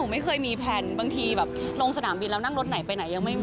ไม่ได้มีแพลนป่ะก่อนไม่ได้ไป